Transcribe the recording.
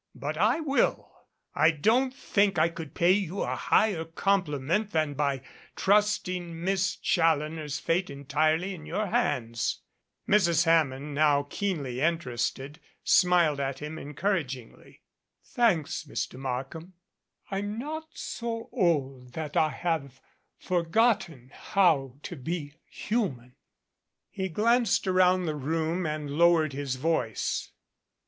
But I will. I don't think I could pay you a higher compliment than by trusting Miss Challoner's fate entirely into your hands." Mrs. Hammond, now keenly interested, smiled at him encouragingly. "Thanks, Mr. Markham, I'm not so old that I have forgotten how to be human." 311 MADCAP He glanced around the room and lowered his voice.